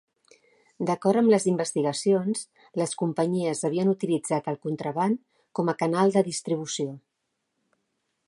D'acord amb les investigacions, les companyies havien utilitzat el contraban com a canal de distribució.